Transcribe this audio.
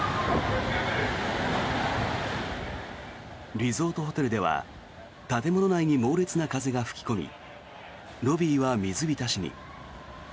リゾートホテルでは建物内に猛烈な風が吹き込みロビーは水浸しに。